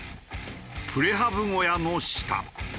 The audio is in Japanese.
プレハブ小屋の下。